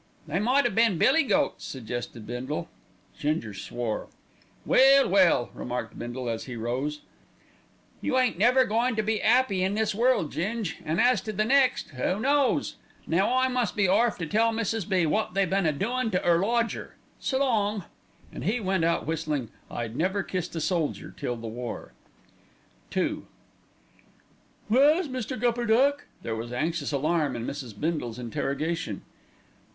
"They might 'ave been billy goats," suggested Bindle. Ginger swore. "Well, well!" remarked Bindle, as he rose, "you ain't never goin' to be 'appy in this world, Ging, an' as to the next who knows! Now I must be orf to tell Mrs. B. wot they been a doin' to 'er lodger. S'long!" And he went out whistling "I'd Never Kissed a Soldier Till the War." II "Where's Mr. Gupperduck?" There was anxious alarm in Mrs. Bindle's interrogation.